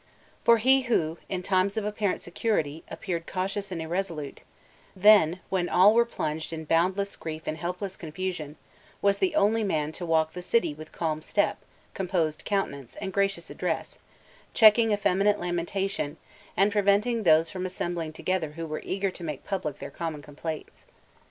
For he who, in times of apparent security, appeared cautious and irresolute, then, when all were plunged in boundless grief and helpless con fusion, was the only man to walk the city with calm step, composed countenance, and gracious address, checking effeminate lamentation, and preventing those from assembling together who were eager to make public their common complaints.